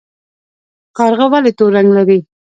کارغه ولې تور رنګ لري؟